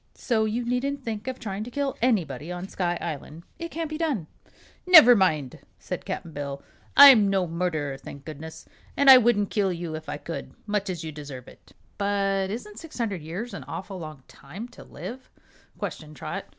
So you needn't think of trying to kill anybody on Sky Island. It can't be done." "Never mind," said Cap'n Bill. "I'm no murderer, thank goodness, and I wouldn't kill you if I could much as you deserve it." "But isn't six hundred years an awful long time to live?" questioned Trot.